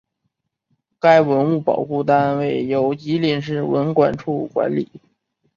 该文物保护单位由吉林市文管处管理。